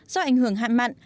do ảnh hưởng hạn mặn